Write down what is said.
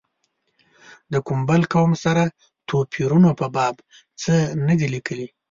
د کوم بل قوم سره توپیرونو په باب څه نه دي لیکلي.